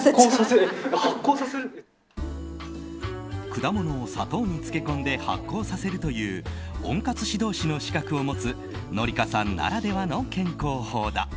果物を砂糖に漬け込んで発酵させるという温活指導士の資格を持つ紀香さんならではの健康法だ。